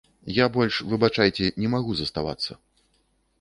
Я больш, выбачайце, не магу заставацца!